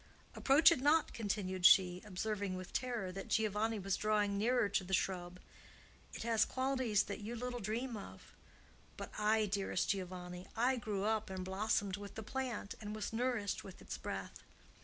Approach it not!" continued she, observing with terror that Giovanni was drawing nearer to the shrub. "It has qualities that you little dream of. But I, dearest Giovanni,—I grew up and blossomed with the plant and was nourished with its breath.